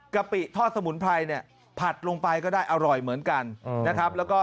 กปิทอดสมุนไพรเนี่ยผัดลงไปก็ได้อร่อยเหมือนกันนะครับแล้วก็